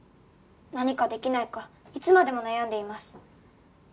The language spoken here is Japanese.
「何かできないかいつまでも悩んでいます」